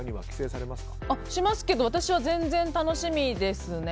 しますけど私は全然楽しみですね。